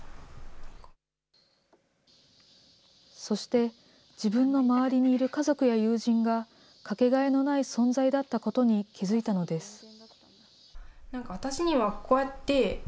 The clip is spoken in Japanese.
そして、自分の周りにいる家族や友人が、掛けがえのない存在だったことに気付いたのです。